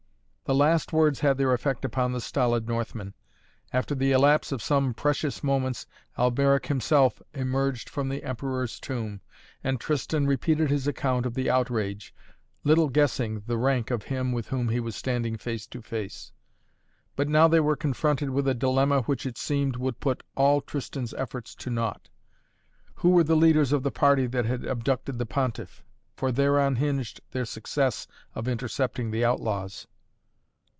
The last words had their effect upon the stolid Northman. After the elapse of some precious moments Alberic himself emerged from the Emperor's Tomb and Tristan repeated his account of the outrage, little guessing the rank of him with whom he was standing face to face. But now they were confronted with a dilemma which it seemed would put all Tristan's efforts to naught. Who were the leaders of the party that had abducted the Pontiff? For thereon hinged their success of intercepting the outlaws.